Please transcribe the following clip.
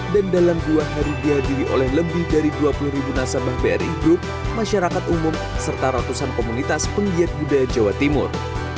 dan dalam dua hari dihadiri oleh lebih dari dua puluh nasabah bri group masyarakat umum serta ratusan komunitas penggiat budaya jawa timur